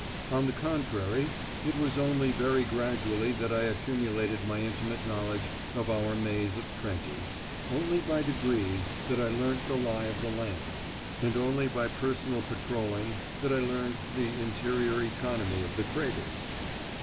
On the contrary, it was only very gradually that I accumulated my intimate knowledge of our maze of trenches, only by degrees that I learnt the lie of the land, and only by personal patrolling that I learnt the interior economy of the craters.